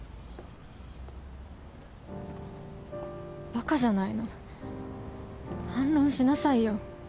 バカじゃないの反論しなさいよ